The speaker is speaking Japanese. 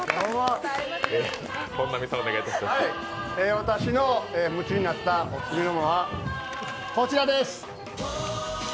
私の夢中になったオススメのものはこちらです。